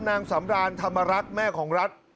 นางสำรานธรรมรักษ์แม่ของรัฐ